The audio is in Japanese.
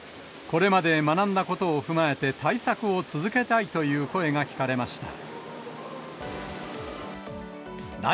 これまで学んだことを踏まえて対策を続けたいという声が聞かれました。